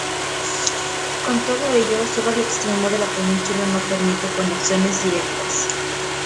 Con todo ello solo el extremo de la península no permite conexiones directas.